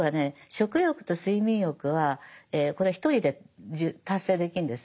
食欲と睡眠欲はこれ１人で達成できるんです。